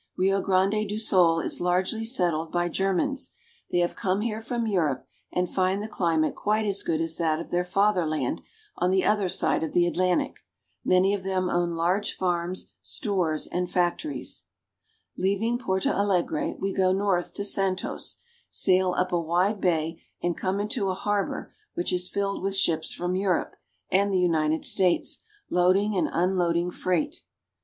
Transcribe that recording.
Rio Grande do Sul is largely settled by Germans. They have come here from Europe, and find the cHmate quite as good as that of their father land on the other side of the Atlantic. Many of them own large farms, stores, and factories. Leaving Porto Alegre, we go north to Santos (san^tos), sail up a wide bay, and come into a harbor which is filled with ships from Europe and the United States, loading and unloading freight.